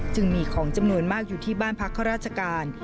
จึงมีของจำนวนมากอยู่ที่บ้านพักข้าราชการ